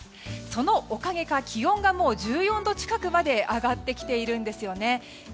そのおかげか気温がもう１４度近くまで上がってきているんですよね。